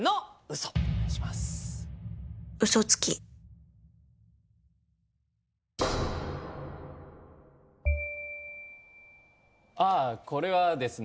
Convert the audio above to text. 嘘つきああこれはですね。